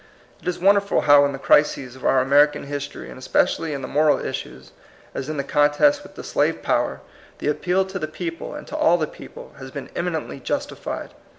It is wonderful how in the crises of our American history, and especially in the moral issues, as in the contest with the slave power, the appeal to the people, and to all the people, has been eminently justified.